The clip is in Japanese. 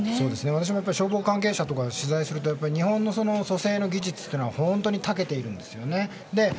私も消防関係者とか取材すると日本の蘇生の技術って本当に長けているんですよね。